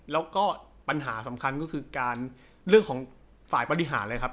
แล้วก็ปัญหาสำคัญก็คือการเรื่องของฝ่ายบริหารเลยครับ